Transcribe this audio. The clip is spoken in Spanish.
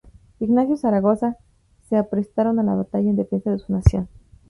Ignacio Zaragoza se aprestaron a la batalla en defensa de su nación.